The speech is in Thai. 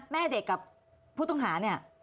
แม่เด็กกับผู้ต้องหาเนี่ย